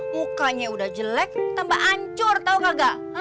mukanya udah jelek tambah ancur tau gak